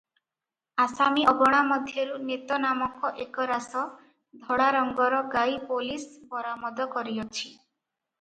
ଆସାମୀ ଅଗଣା ମଧ୍ୟରୁ ନେତ ନାମକ ଏକରାସ ଧଳା ରଙ୍ଗର ଗାଈ ପୋଲିସ ବରାମଦ କରିଅଛି ।